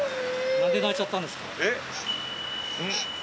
なんで泣いちゃったんですか？